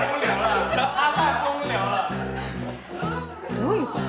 どういうこと？